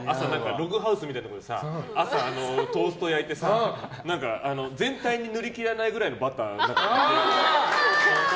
ログハウスみたいなところで朝、トースト焼いてさ全体に塗りきらないくらいのバターを。